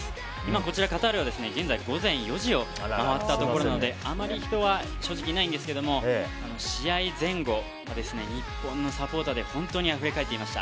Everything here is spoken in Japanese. こちらカタールは現在午前４時を回ったところなのであまり人は正直いないんですけども試合前後は日本のサポーターで本当にあふれ返っていました。